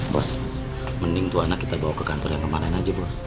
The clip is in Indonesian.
bos mending itu anak kita bawa ke kantor yang kemarin aja bos